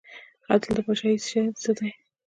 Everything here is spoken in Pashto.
عدل د پاچاهۍ څه دی؟